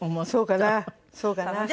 そうかなそうかな。